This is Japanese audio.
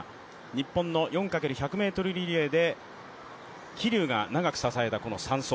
日本の４×１００ｍリレーで桐生が長く支えたこの３走。